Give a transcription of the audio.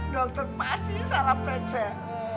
dokter pasti salah prinser